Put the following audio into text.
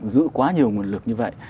giữ quá nhiều nguồn lực như vậy